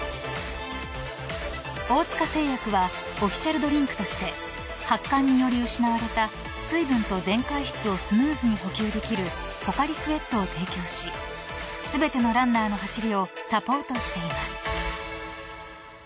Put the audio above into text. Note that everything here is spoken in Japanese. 大塚製薬はオフィシャルドリンクとして発汗により失われた水分と電解質をスムーズに補給できるポカリスエットを提供し全てのランナーの走りをサポートしています。